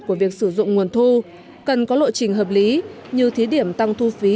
của việc sử dụng nguồn thu cần có lộ trình hợp lý như thí điểm tăng thu phí